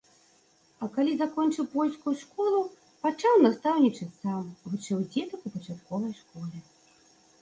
А калі закончыў польскую школу, пачаў настаўнічаць сам, вучыў дзетак у пачатковай школе.